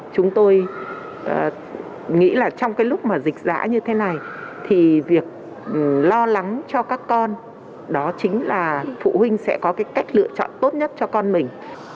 chúng tôi nghĩ là trong cái lúc mà dịch giã như thế này thì việc lo lắng cho các con đó chính là phụ huynh sẽ có cái cách lựa chọn tốt nhất cho con mình